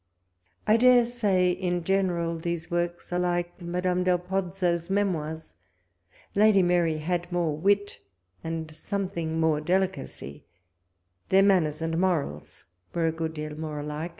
I dare say in general, these works are like Madame del Pozzo's Mrmoires. Lady Mary had more wit, and some thing more delicacy : their manners and morals w^ere a good deal more alike.